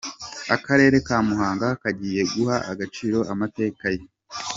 Akarere ka Muhanga kagiye guha agaciro amateka ye.